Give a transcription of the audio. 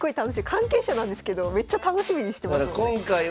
関係者なんですけどめっちゃ楽しみにしてますもんね。